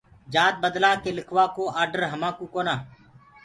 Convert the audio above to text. جآت بدلآ ڪي لِکوآ ڪو آڊر همآنٚڪو ڪونآ۔